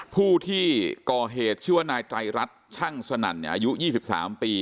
ผู้ที่ก่อเหตุชื่อว่านายไตรรัฐช่างสนั่นอายุ๒๓ปี